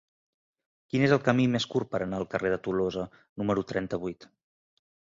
Quin és el camí més curt per anar al carrer de Tolosa número trenta-vuit?